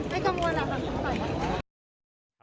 ไม่กังวลหรอท่านพ่อต่อย